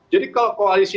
jadi kalau koalisi